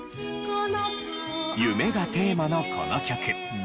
夢がテーマのこの曲。